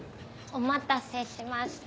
お待たせしました。